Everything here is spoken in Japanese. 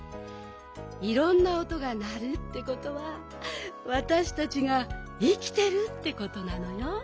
いろんなおとがなるってことはわたしたちがいきてるってことなのよ。